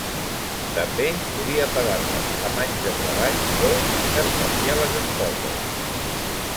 També podia pagar-les amb anys de treball o intercanviar les esposes.